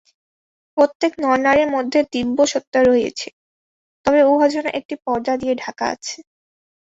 প্রত্যেক নরনারীর মধ্যে দিব্যসত্তা রহিয়াছে, তবে উহা যেন একটি পর্দা দিয়া ঢাকা আছে।